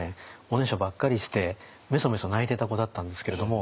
おねしょばっかりしてめそめそ泣いてた子だったんですけれども。